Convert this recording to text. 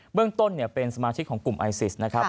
เรื่องต้นเป็นสมาชิกของกลุ่มไอซิสนะครับ